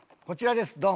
こちらです。